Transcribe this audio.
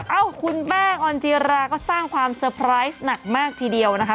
เอ้าคุณแป้งออนจีราก็สร้างความเซอร์ไพรส์หนักมากทีเดียวนะคะ